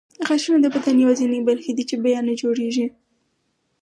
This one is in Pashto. غاښونه د بدن یوازیني برخې دي چې بیا نه جوړېږي.